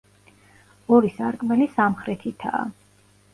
ორი სარკმელი სამხრეთითაა.